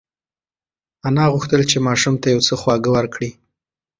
انا غوښتل چې ماشوم ته یو څه خواږه ورکړي.